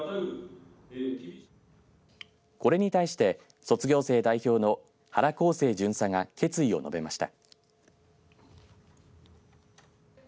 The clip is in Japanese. これに対して卒業生代表の原晃征巡査が決意を述べました。